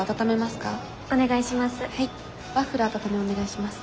ワッフル温めお願いします。